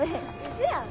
嘘やん。